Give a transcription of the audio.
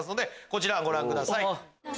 こちらご覧ください。